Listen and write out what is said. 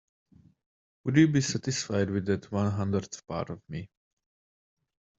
Would you be satisfied with that one hundredth part of me.